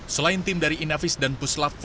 selain tim dari inavis dan puslap empat